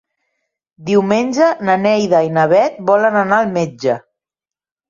Diumenge na Neida i na Bet volen anar al metge.